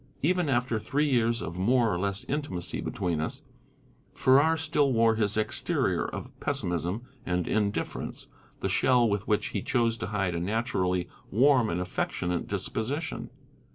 Even after three years of more or less intimacy between us, Farrar still wore his exterior of pessimism and indifference, the shell with which he chose to hide a naturally warm and affectionate disposition.